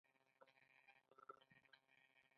دا عین هغه حالت دی چې د مایا دولت ښارونه ورسره مخ وو.